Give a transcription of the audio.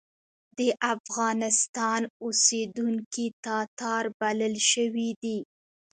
د افغانستان اوسېدونکي تاتار بلل شوي دي.